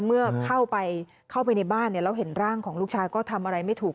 เมื่อเข้าไปเข้าไปในบ้านแล้วเห็นร่างของลูกชายก็ทำอะไรไม่ถูก